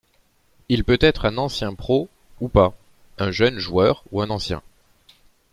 Il peut être un ancien pro, ou pas, un jeune joueur ou un ancien.